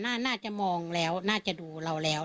น่าจะมองแล้วน่าจะดูเราแล้ว